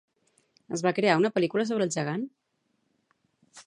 Es va crear una pel·lícula sobre el gegant?